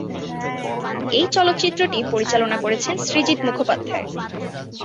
এই চলচ্চিত্রটি পরিচালনা করেছেন সৃজিত মুখোপাধ্যায়।